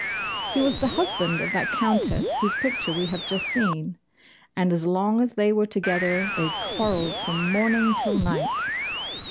He was the husband of that Countess whose picture we have just seen, and as long as they were together they quarrelled from morning till night.